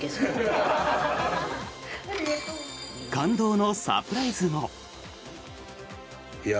感動のサプライズも。